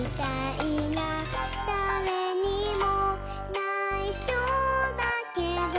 「だれにもないしょだけど」